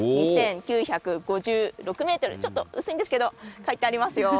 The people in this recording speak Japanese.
２９５６メートル、ちょっと薄いんですけど、書いてありますよ。